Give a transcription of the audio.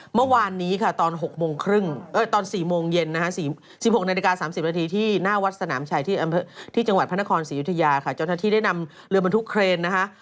๑๖นาฬิกา๓๐นาทีที่หน้าวัดสนามชัยที่จังหวัดพระนครศรียุทธิญาค่ะจนที่ได้นำเรือบันทุกเครนนะฮะ